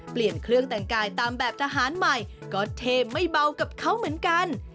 เปลี่ยนเครื่องแต่งกายตามแบบทหารใหม่ก็เทไม่เบากับเขาเหมือนกัน